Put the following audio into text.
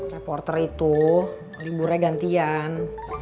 reporter itu liburannya gantian